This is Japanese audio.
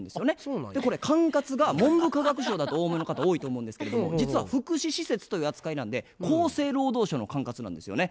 これ管轄が文部科学省だとお思いの方多いと思うんですけど実は福祉施設という扱いなんで厚生労働省の管轄なんですよね。